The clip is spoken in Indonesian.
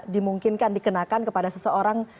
dimungkinkan dikenakan kepada seseorang